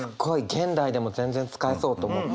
現代でも全然使えそうと思って。